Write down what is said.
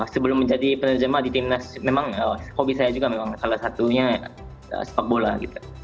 sebelum menjadi penerjemah di timnas memang hobi saya juga memang salah satunya sepak bola gitu